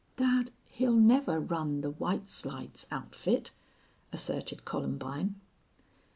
"Dad, he'll never run the White Slides outfit," asserted Columbine.